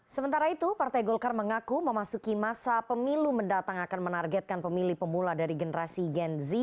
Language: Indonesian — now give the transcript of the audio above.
sementara itu partai golkar mengaku memasuki masa pemilu mendatang akan menargetkan pemilih pemula dari generasi gen z